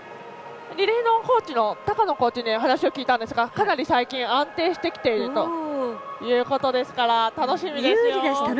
リレーのコーチのコーチにお話を聞いたんですがかなり最近、安定してきているということですから楽しみですよ。